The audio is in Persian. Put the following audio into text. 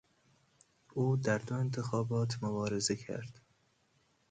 او در دو انتخابات مبارزه کرد.